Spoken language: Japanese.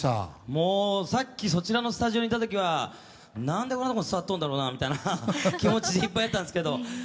もうさっきそちらのスタジオにいた時は何でこんなところに立ってるんだろうなという気持ちでいっぱいだったんですけど。